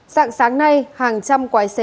sáng sáng nay hàng trăm quái xế